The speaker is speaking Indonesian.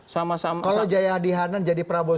sama sama kalau jaya adihanan jadi prabowo